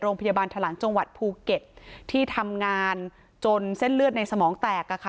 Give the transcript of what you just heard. โรงพยาบาลถลังจังหวัดภูเก็ตที่ทำงานจนเส้นเลือดในสมองแตก